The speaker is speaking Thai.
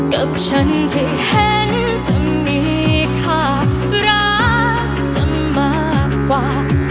กับฉันที่เห็นเธอมีค่ารักเธอมากกว่า